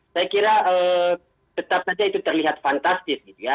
saya kira tetap saja itu terlihat fantastis gitu ya